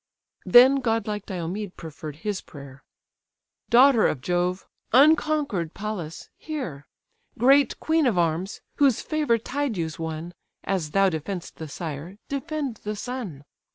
Then godlike Diomed preferr'd his prayer: "Daughter of Jove, unconquer'd Pallas! hear. Great queen of arms, whose favour Tydeus won, As thou defend'st the sire, defend the son.